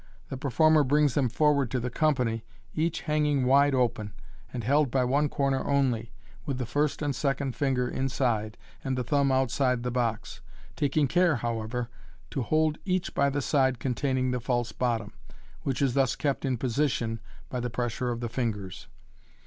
The performer brings them forward to the company, each hanging wide open, and held by one corner only, with the first and second finger inside, and the thumb outside the box, taking care, however, to hold each by the side containing the false bottom, which is thus kept in position by the pressure of the fingers.